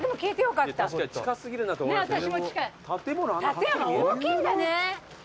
館山大きいんだね。